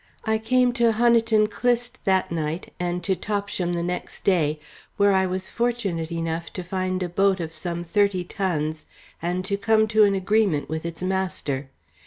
I came to Honiton Clyst that night, and to Topsham the next day, where I was fortunate enough to find a boat of some thirty tons and to come to an agreement with its master.